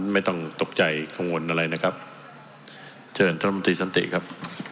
ไม่ต้องตกใจกังวลอะไรนะครับเชิญท่านรัฐมนตรีสันติครับ